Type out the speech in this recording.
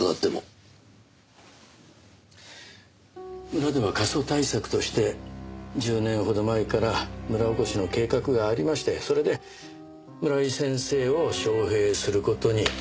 村では過疎対策として１０年ほど前から村おこしの計画がありましてそれで村井先生を招聘する事にしたんです。